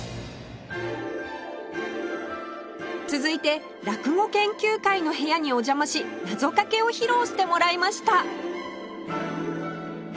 続いて落語研究会の部屋にお邪魔し謎かけを披露してもらいました